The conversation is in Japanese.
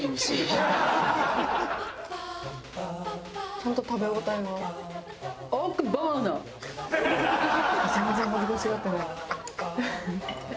ちゃんと食べ応えもある。